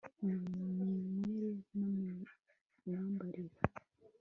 mu minywere no mu myambarire